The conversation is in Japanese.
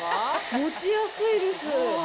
持ちやすいです。